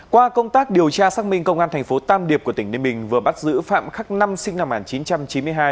qua công tác điều tra xác minh công an thành phố tam điệp của tỉnh ninh bình vừa bắt giữ phạm khắc năm sinh năm một nghìn chín trăm chín mươi hai